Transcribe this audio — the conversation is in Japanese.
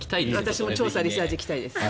私も調査・リサーチに行きたいです。